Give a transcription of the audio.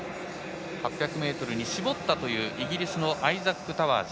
８００ｍに絞ったというイギリスのアイザック・タワーズ。